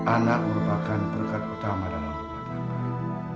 anak merupakan berkat utama dalam rumah kalian